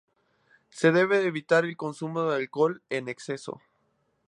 Se debe evitar el consumo de alcohol en exceso.